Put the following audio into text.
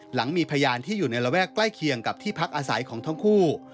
หลังมีพยานที่อยู่ในระแวกใกล้เคียงกับที่พักอาศัยของทั้งคู่